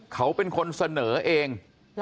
เขาเป็นคนเสนอเอง